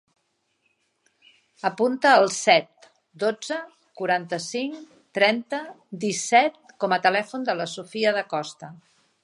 Apunta el set, dotze, quaranta-cinc, trenta, disset com a telèfon de la Sofía Da Costa.